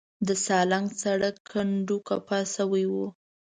د سالنګ سړک کنډو کپر شوی و.